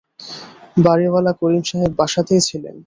বাড়িওয়ালা করিম সাহেব বাসাতেই ছিলেন।